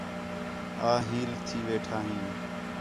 آں ہیل تھی ویٹھا ہیں